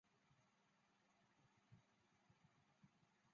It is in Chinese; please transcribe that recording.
正式注册的幼儿园也必须遵守政府所立下的条规。